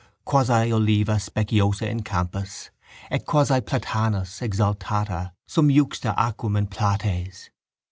Quasi uliva speciosa in campis et quasi platanus exaltata sum juxta aquam in plateis.